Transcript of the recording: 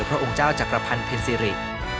พระองค์เจ้าจักรพันธ์เพ็ญซิริ